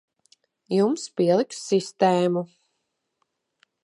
Jums pieliks sistēmu.